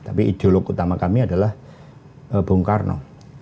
tapi ideolog utama kami adalah bung karno